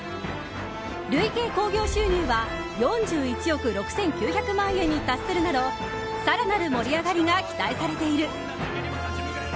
累計興行収入は４１億６９００万円に達するなど更なる盛り上がりが期待されている。